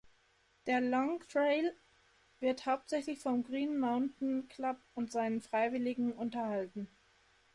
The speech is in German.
Der Long Trail wird hauptsächlich vom Green Mountain Club und seinen Freiwilligen unterhalten.